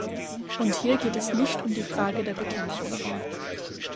Und hier geht es nicht um die Frage der Bekämpfung.